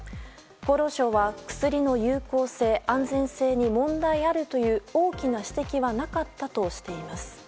厚労省は薬の有効性・安全性に問題あるという大きな指摘はなかったとしています。